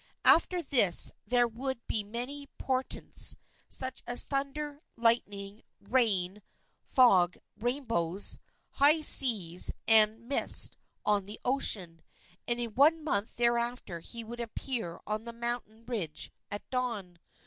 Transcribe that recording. After this there would be many portents, such as thunder, lightning, rain, fog, rainbows, high seas and mist on the ocean, and in one month thereafter he would appear on the mountain ridge at dawn.